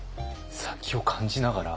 殺気を感じながら。